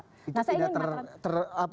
itu tidak terapa apa